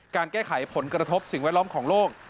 การแก้ไขผลกระทบสิ่งแวดล้อมของโลก